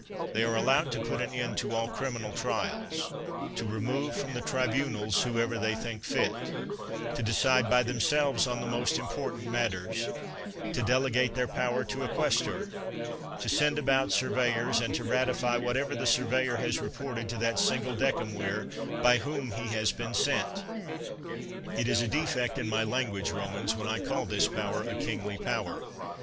They are allowed to put an end to all criminal trials; to remove from the tribunals whoever they think fit; to decide by themselves on the most impor tant matters; to delegate their power to a ques tor ; to send about surveyors ; and to ratify what ever the surveyor has reported to that single de cemvir by whom he has been sent. It is a defect in my language, Romans, when I call this power a kingly power.